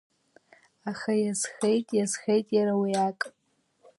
Аха иазхеит, иазхеит иара уи ак…